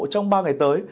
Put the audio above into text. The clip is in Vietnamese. trong ba ngày tới